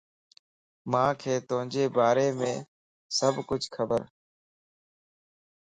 مانکَ توجي باريم سڀ کڇ خبرَ